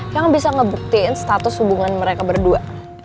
yang bisa ngebuktiin status hubungan mereka berdua